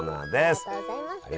ありがとうございます。